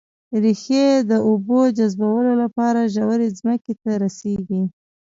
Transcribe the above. ريښې د اوبو جذبولو لپاره ژورې ځمکې ته رسېږي